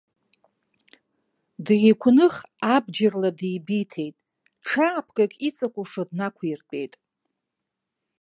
Деиқәных, абџьарла деибиҭеит, ҽаапкык иҵакәашо днақәиртәеит.